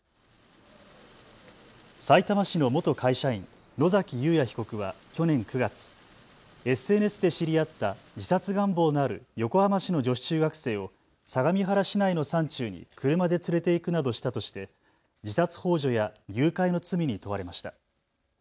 さいたま市の元会社員、野崎祐也被告は去年９月、ＳＮＳで知り合った自殺願望のある横浜市の女子中学生を相模原市内の山中に車で連れていくなどしたとして自殺ほう助や誘拐の罪に問われました。